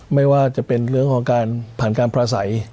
ไม่ว่าจะเป็นเรื่องของการผ่านการปราศัย